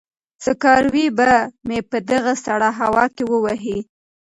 سکاروی به مې په دغه سړه هوا کې ووهي.